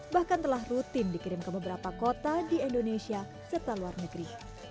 bahkan telah rutin dikirim ke beberapa kota di indonesia serta luar negeri